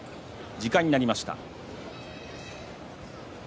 時間になりました。